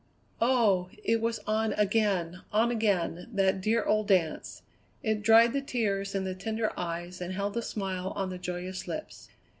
Oh! It was on again, on again, that dear old dance. It dried the tears in the tender eyes and held the smile on the joyous lips.